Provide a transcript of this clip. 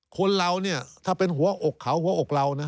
คนเราเนี่ยถ้าเป็นหัวอกเขาหัวอกเรานะ